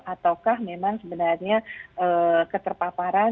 ataukah memang sebenarnya keterpaparan